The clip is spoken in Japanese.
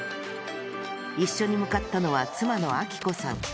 一緒に向かったのは妻の明子さん。